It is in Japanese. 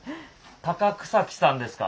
草木さんですか？